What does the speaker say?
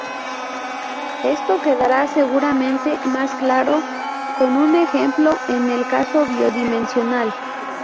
Esto quedará seguramente más claro con un ejemplo en el caso bi-dimensional.